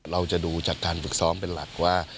เราจะดูจากการฝึกซ้อมเป็นหลักว่า